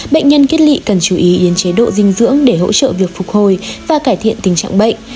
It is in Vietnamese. bệnh nhân kết lị cần chú ý yến chế độ dinh dưỡng để hỗ trợ việc phục hồi và cải thiện tình trạng bệnh